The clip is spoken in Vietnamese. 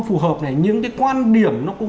phù hợp này những cái quan điểm nó cũng